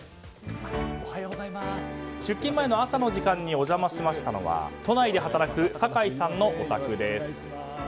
出勤前の朝の時間にお邪魔しましたのは都内で働く酒井さんのお宅です。